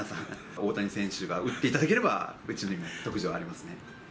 大谷選手が打っていただければ、うちにも特需はありますね。